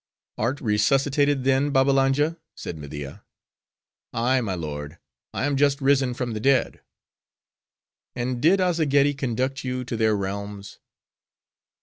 "Art resuscitated, then, Babbalanja?" said Media. "Ay, my lord, I am just risen from the dead." "And did Azzageddi conduct you to their realms?"